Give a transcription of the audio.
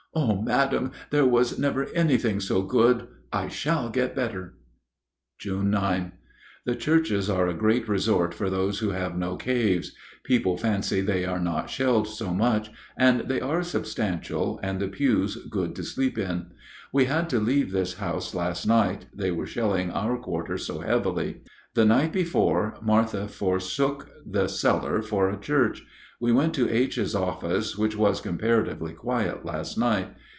"Oh, madam, there was never anything so good! I shall get better." June 9. The churches are a great resort for those who have no caves. People fancy they are not shelled so much, and they are substantial and the pews good to sleep in. We had to leave this house last night, they were shelling our quarter so heavily. The night before, Martha forsook the cellar for a church. We went to H.'s office, which was comparatively quiet last night.